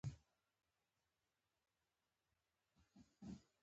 تۀ او کله ار سې